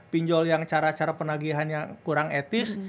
pinjol yang cara cara penagihan yang kurang etis